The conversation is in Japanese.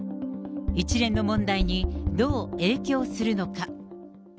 一連の問題に、どう影響するのか。